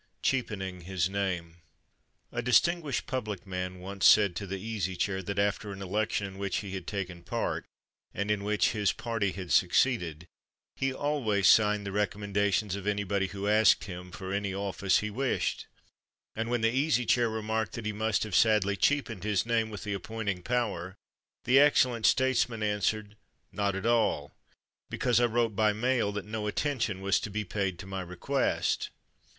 CHEAPENING HIS NAME A distinguished public man once said to the Easy Chair that after an election in which he had taken part, and in which his party had succeeded, he always signed the recommendations of anybody who asked him for any office he wished. And when the Easy Chair remarked that he must have sadly cheapened his name with the appointing power, the excellent statesman answered, "Not at all; because I wrote by mail that no attention was to be paid to my request."